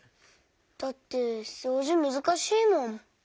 だってそうじむずかしいもん。